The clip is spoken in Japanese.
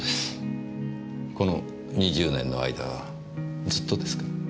この２０年の間ずっとですか？